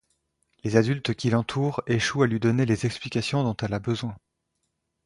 Les adultes qui l'entourent échouent à lui donner les explications dont elle a besoin.